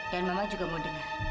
dan mama juga mau denger